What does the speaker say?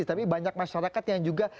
tapi banyak masyarakat yang juga